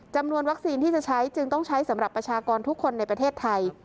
จำนวนวัคซีนที่จะใช้จึงต้องใช้สำหรับประชากรทุกคนในประเทศไทย